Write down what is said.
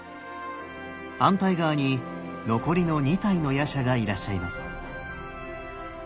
反対側に残りの２体の夜叉がいらっしゃいます。